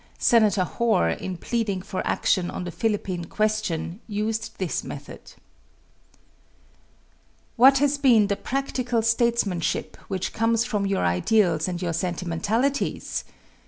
Senator Hoar, in pleading for action on the Philippine question, used this method: What has been the practical statesmanship which comes from your ideals and your sentimentalities?